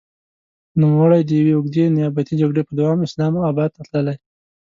نوموړی د يوې اوږدې نيابتي جګړې په دوام اسلام اباد ته تللی.